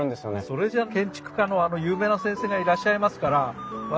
それじゃあ建築家のあの有名な先生がいらっしゃいますから私